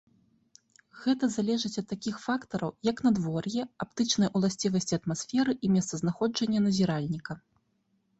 Гэта залежыць ад такіх фактараў як надвор'е, аптычныя ўласцівасці атмасферы і месцазнаходжанне назіральніка.